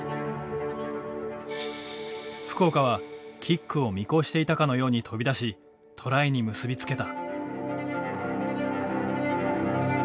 福岡はキックを見越していたかのように飛び出しトライに結び付けた。